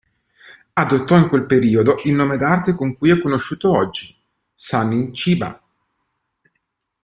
Adottò in quel periodo il nome d'arte con cui è conosciuto oggi, Sonny Chiba.